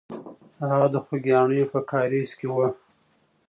هغه د خوګیاڼیو په کارېز کې وه.